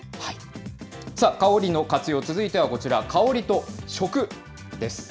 さあ、香りの活用、続いてはこちら、香りと食です。